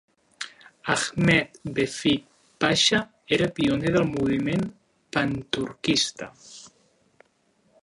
Ahmed Vefik Pasha era pioner del moviment panturquista.